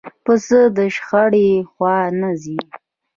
پسه د شخړې خوا نه ځي.